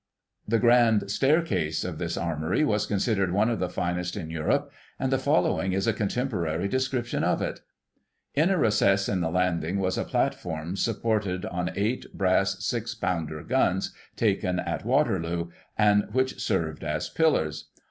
The grand staircase of this Armoury was considered one of the finest in Europe, and the following is a contemporary description of it. " In a recess on the landing was a platform supported on eight brass six pounder guns, taken at Waterloo, and which served as pillars.